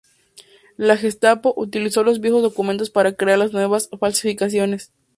La Gestapo utilizó los viejos documentos para crear las nuevas falsificaciones.